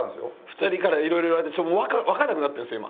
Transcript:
２人からいろいろ言われてわかんなくなってるんですよ